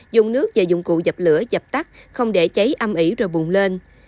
dùng nước và dụng cụ dập lửa dập tắt không để cháy âm ỉ rồi bùng lên